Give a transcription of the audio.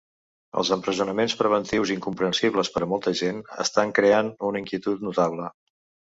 Els empresonaments preventius, incomprensibles per a molta gent, estan creant una inquietud notable.